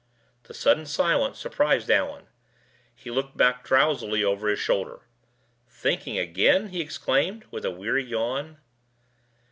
The sudden silence surprised Allan; he looked back drowsily over his shoulder. "Thinking again!" he exclaimed, with a weary yawn.